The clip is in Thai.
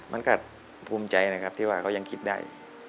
มันก็ภูมิใจนะครับที่ว่าเขายังคิดได้